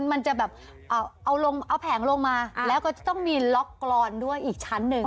มันจะแบบเอาลงเอาแผงลงมาแล้วก็จะต้องมีล็อกกรอนด้วยอีกชั้นหนึ่ง